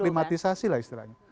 aklimatisasi lah istilahnya